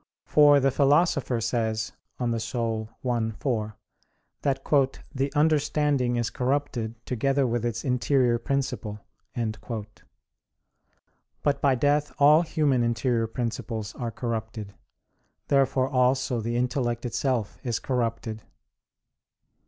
For the Philosopher says (De Anima i, 4) that "the understanding is corrupted together with its interior principle." But by death all human interior principles are corrupted. Therefore also the intellect itself is corrupted.